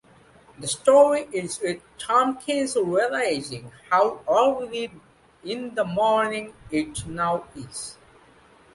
The story ends with Tompkins realizing how early in the morning it now is.